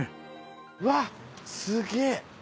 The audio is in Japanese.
うわっすげぇ！